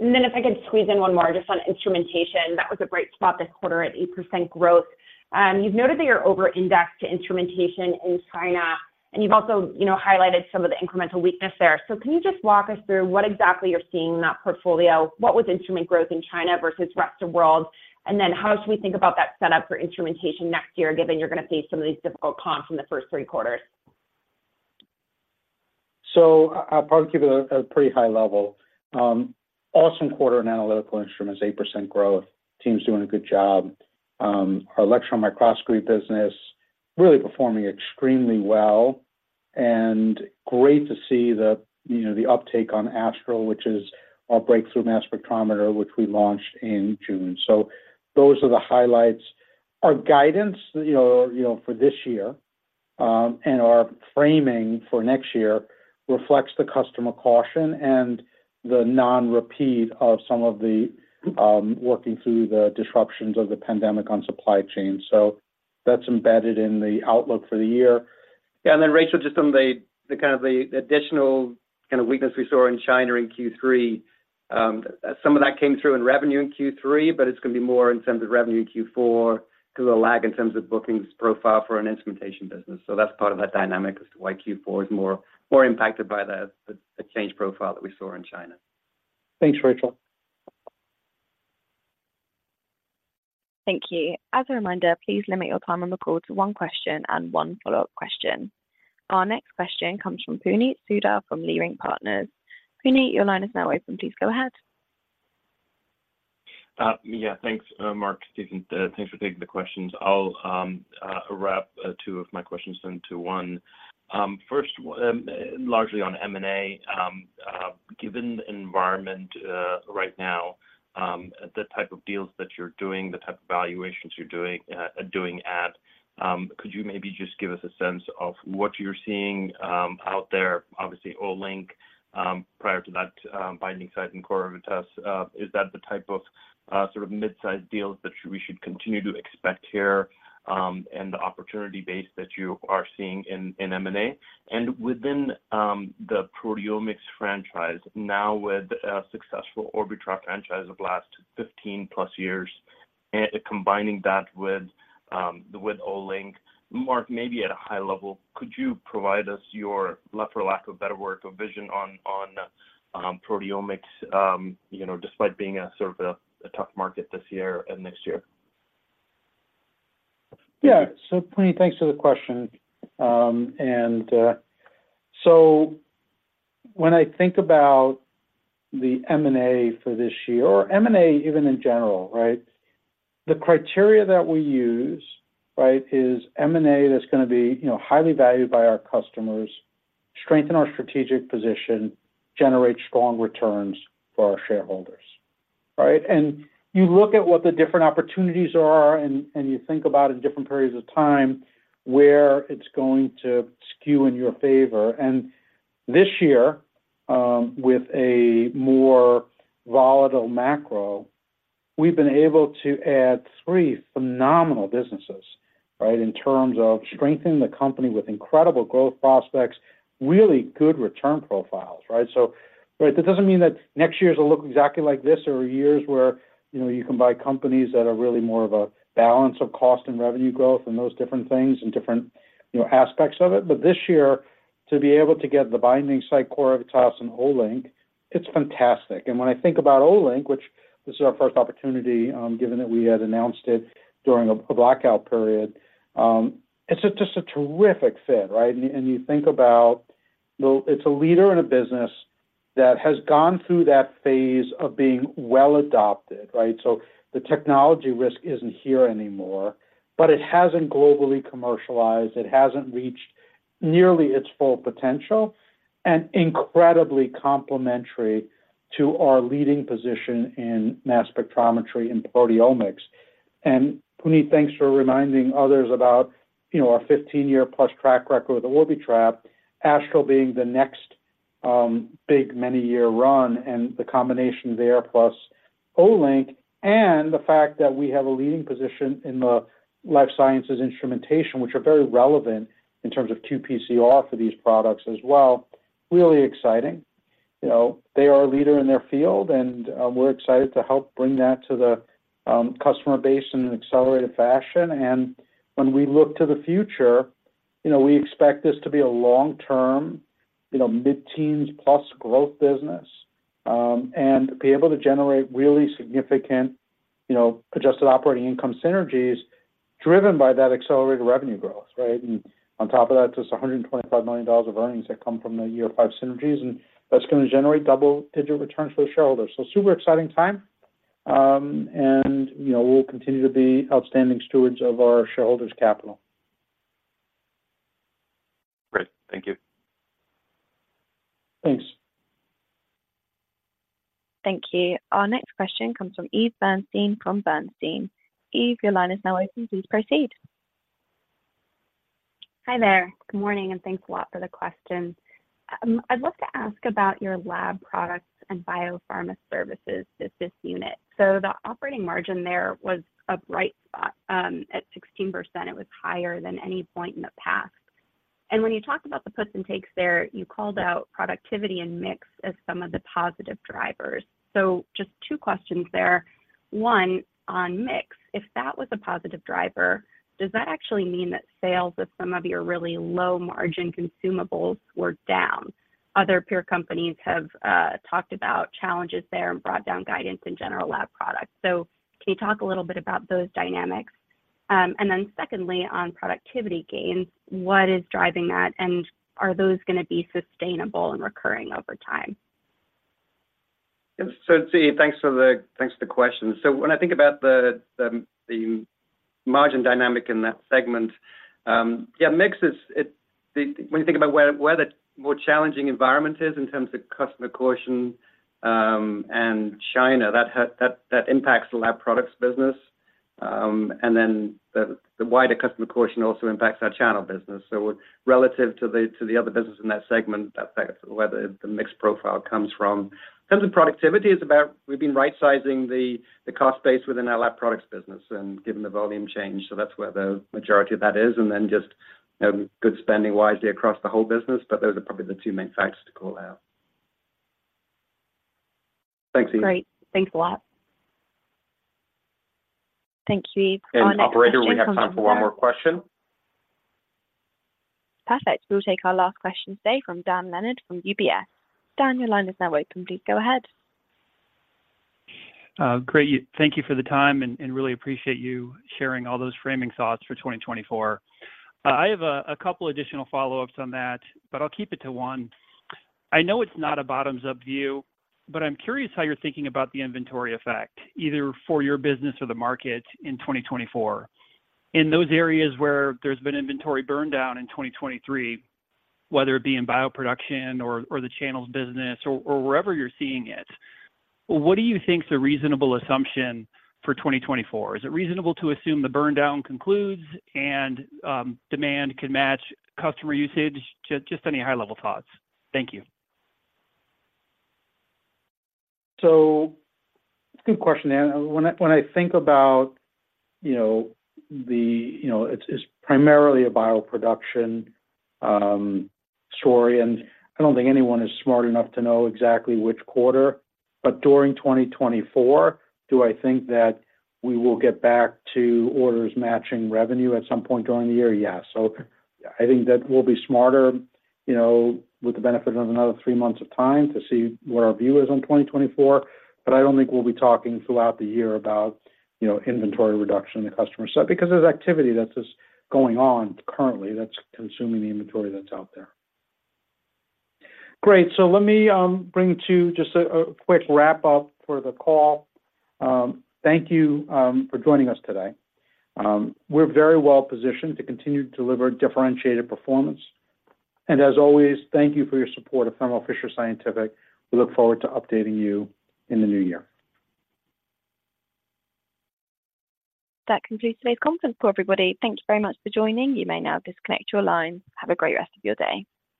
and then if I could squeeze in one more just on instrumentation. That was a bright spot this quarter at 8% growth. You've noted that you're over indexed to instrumentation in China, and you've also, you know, highlighted some of the incremental weakness there. So can you just walk us through what exactly you're seeing in that portfolio? What was instrument growth in China versus rest of world? And then how should we think about that setup for instrumentation next year, given you're going to face some of these difficult comps in the first three quarters? So I'll probably keep it at a pretty high level. Awesome quarter in Analytical Instruments, 8% growth. Team's doing a good job. Our Electron Microscopy business really performing extremely well, and great to see the, you know, the uptake on Astral, which is our breakthrough mass spectrometer, which we launched in June. So those are the highlights. Our guidance, you know, you know, for this year, and our framing for next year reflects the customer caution and the non-repeat of some of the, working through the disruptions of the pandemic on supply chain. So that's embedded in the outlook for the year. Yeah, and then, Rachel, just some of the kind of additional weakness we saw in China in Q3. Some of that came through in revenue in Q3, but it's going to be more in terms of revenue in Q4 because of the lag in terms of bookings profile for an instrumentation business. So that's part of that dynamic as to why Q4 is more impacted by the change profile that we saw in China. Thanks, Rachel. Thank you. As a reminder, please limit your time on the call to one question and one follow-up question. Our next question comes from Puneet Souda from Leerink Partners. Puneet, your line is now open. Please go ahead. Yeah, thanks, Marc, Stephen. Thanks for taking the questions. I'll wrap two of my questions into one. First, largely on M&A, given the environment right now, the type of deals that you're doing, the type of valuations you're doing, doing at, could you maybe just give us a sense of what you're seeing out there? Obviously, Olink, prior to that, Binding Site and CorEvitas, is that the type of sort of mid-sized deals that we should continue to expect here, and the opportunity base that you are seeing in M&A? Within the proteomics franchise, now with a successful Orbitrap franchise of last 15+ years, and combining that with Olink, Marc, maybe at a high level, could you provide us your, for lack of better word, vision on proteomics, you know, despite being a sort of a tough market this year and next year? Yeah. So Puneet, thanks for the question. And so when I think about the M&A for this year, or M&A even in general, right? The criteria that we use, right, is M&A that's going to be, you know, highly valued by our customers, strengthen our strategic position, generate strong returns for our shareholders, right? And you look at what the different opportunities are and you think about in different periods of time where it's going to skew in your favor. And this year, with a more volatile macro, we've been able to add three phenomenal businesses, right, in terms of strengthening the company with incredible growth prospects, really good return profiles, right? So, but that doesn't mean that next year's will look exactly like this, or years where, you know, you can buy companies that are really more of a balance of cost and revenue growth and those different things and different, you know, aspects of it. But this year, to be able to get The Binding Site, CorEvitas and Olink, it's fantastic. And when I think about Olink, which this is our first opportunity, given that we had announced it during a blackout period, it's just a terrific fit, right? And you think about the... It's a leader in a business that has gone through that phase of being well adopted, right? So the technology risk isn't here anymore, but it hasn't globally commercialized, it hasn't reached nearly its full potential, and incredibly complementary to our leading position in mass spectrometry and proteomics. Puneet, thanks for reminding others about, you know, our 15-year plus track record with Orbitrap, Astral being the next, big many year run and the combination there, plus Olink, and the fact that we have a leading position in the life sciences instrumentation, which are very relevant in terms of qPCR for these products as well, really exciting. You know, they are a leader in their field, and, we're excited to help bring that to the, customer base in an accelerated fashion. And when we look to the future, you know, we expect this to be a long-term, you know, mid-teens plus growth business, and be able to generate really significant, you know, adjusted operating income synergies driven by that accelerated revenue growth, right? And on top of that, just $125 million of earnings that come from the year five synergies, and that's going to generate double-digit returns for the shareholders. So super exciting time, and, you know, we'll continue to be outstanding stewards of our shareholders capital. Great. Thank you. Thanks. Thank you. Our next question comes from Eve Burstein from Bernstein. Eve, your line is now open. Please proceed. Hi there. Good morning, and thanks a lot for the questions. I'd love to ask about your Lab Products and Biopharma Services business unit. So the operating margin there was a bright spot at 16%, it was higher than any point in the past. And when you talked about the puts and takes there, you called out productivity and mix as some of the positive drivers. So just two questions there. One, on mix, if that was a positive driver, does that actually mean that sales of some of your really low-margin consumables were down? Other peer companies have talked about challenges there and brought down guidance in general lab products. So can you talk a little bit about those dynamics? And then secondly, on productivity gains, what is driving that, and are those going to be sustainable and recurring over time? And so, thanks for the question. So when I think about the margin dynamic in that segment, yeah, mix is the when you think about where the more challenging environment is in terms of customer caution, and China, that impacts the lab products business. And then the wider customer caution also impacts our channel business. So relative to the other business in that segment, that's where the mix profile comes from. In terms of productivity, it's about we've been right-sizing the cost base within our lab products business and given the volume change, so that's where the majority of that is, and then just good spending wisely across the whole business. But those are probably the two main factors to call out. Thanks, Eve. Great. Thanks a lot. Thank you, Eve. Operator, do we have time for one more question? Perfect. We'll take our last question today from Dan Leonard from UBS. Dan, your line is now open. Please go ahead. Great. Thank you for the time and really appreciate you sharing all those framing thoughts for 2024. I have a couple additional follow-ups on that, but I'll keep it to one. I know it's not a bottoms-up view, but I'm curious how you're thinking about the inventory effect, either for your business or the market in 2024. In those areas where there's been inventory burndown in 2023, whether it be in Bioproduction or the channels business or wherever you're seeing it, what do you think is a reasonable assumption for 2024? Is it reasonable to assume the burndown concludes and demand can match customer usage? Just any high-level thoughts. Thank you. So good question, Dan. When I think about, you know, the, you know, it's primarily a Bioproduction story, and I don't think anyone is smart enough to know exactly which quarter. But during 2024, do I think that we will get back to orders matching revenue at some point during the year? Yeah. So I think that we'll be smarter, you know, with the benefit of another three months of time to see what our view is on 2024, but I don't think we'll be talking throughout the year about, you know, inventory reduction in the customer side. Because there's activity that is going on currently that's consuming the inventory that's out there. Great. So let me bring to just a quick wrap up for the call. Thank you for joining us today. We're very well positioned to continue to deliver differentiated performance. As always, thank you for your support of Thermo Fisher Scientific. We look forward to updating you in the new year. That concludes today's conference call, everybody. Thank you very much for joining. You may now disconnect your line. Have a great rest of your day.